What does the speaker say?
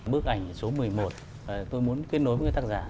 bức ảnh số một mươi một tôi muốn kết nối với tác giả